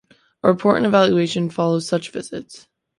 A report and evaluation follows such visits.